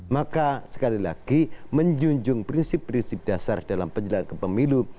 maka sekali lagi menjunjung prinsip prinsip dasar dalam penyelenggaraan pemilu